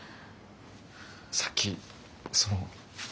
さっきその。